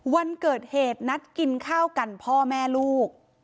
วันเกิดเหตุนัดกินข้าวกันพ่อแม่ลูก